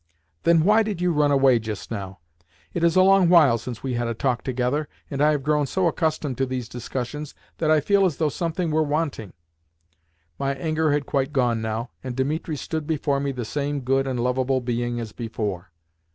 "Then why did you run away just now? It is a long while since we had a talk together, and I have grown so accustomed to these discussions that I feel as though something were wanting." My anger had quite gone now, and Dimitri stood before me the same good and lovable being as before.